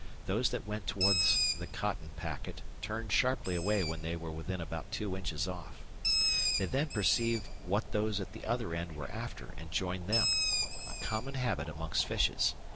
Those that went towards the cotton packet turned sharply away when they were within about two inches off. They then perceived what those at the other end were after and joined them a common habit amongst fishes.